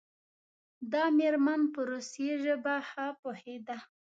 دا میرمن په روسي ژبه ښه پوهیده.